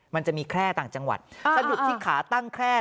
มันจะมีแคร่ต่างจังหวัดสะดุดที่ขาตั้งแคร่